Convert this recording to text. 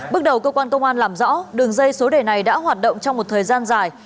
bước đầu công an tp bun man thuột làm rõ đường dây số đề này đã hoạt động trong một thời gian dài